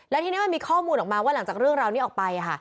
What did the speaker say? แล้วทีนี้มันมีข้อมูลออกมาว่าหลังจากเรื่องราวนี้ออกไป